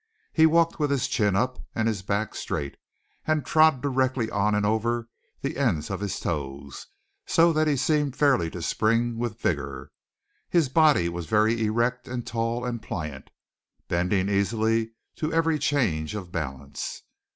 He walked with his chin up and his back straight, and trod directly on and over the ends of his toes so that he seemed fairly to spring with vigour. His body was very erect and tall and pliant, bending easily to every change of balance.